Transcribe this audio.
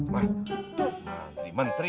ma menteri menteri